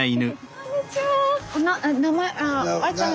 こんにちは。